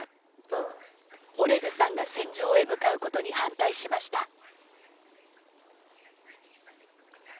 オレグさんが戦場へ向かうことに反対しました。